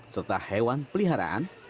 serta hewan peliharaan